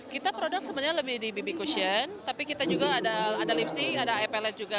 kita produk sebenarnya lebih di bb cushion tapi kita juga ada lipstick ada eye palette juga